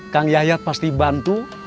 kang yahyat pasti bantu